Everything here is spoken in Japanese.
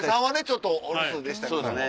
ちょっとお留守でしたけど。